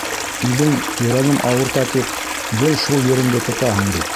— Үҙең, йөрәгем ауырта тип, гел шул ереңде тотаһың бит.